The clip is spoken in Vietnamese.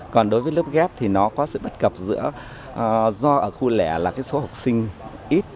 còn đối với lớp ghép thì nó có sự bất cập do ở khu lẻ là cái số học sinh ít